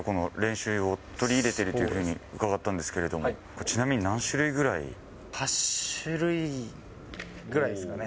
いろいろな種類のこの練習を取り入れてるというふうに伺ったんですけれども、ちなみに、８種類ぐらいですかね。